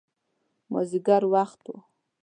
مازدیګر وخت و.